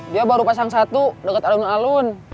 dia baru pasang satu dekat alun alun